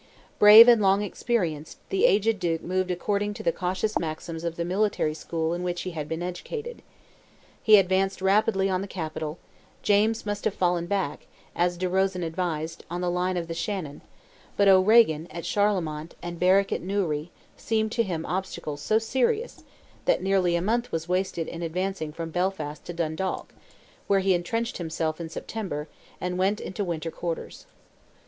Brave, and long experienced, the aged Duke moved according to the cautious maxims of the military school in which he had been educated. Had he advanced rapidly on the capital, James must have fallen back, as De Rosen advised, on the line of the Shannon; but O'Regan, at Charlemont, and Berwick, at Newry, seemed to him obstacles so serious, that nearly a month was wasted in advancing from Belfast to Dundalk, where he entrenched himself in September, and went into winter quarters.